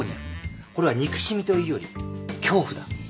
これは憎しみというより恐怖だ。